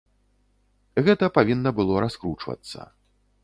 Гэта павінна было раскручвацца.